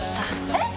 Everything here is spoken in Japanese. えっ！！